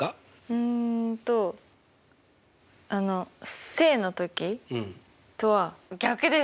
うんとあの正の時とは逆です。